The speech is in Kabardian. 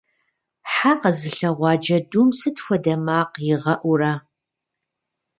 Хьэ къэзылъэгъуа джэдум сыт хуэдэ макъ игъэӀурэ?